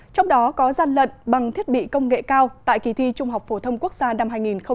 trong đó có gian lận bằng thiết bị công nghệ cao tại kỳ thi trung học phổ thông quốc gia năm hai nghìn một mươi tám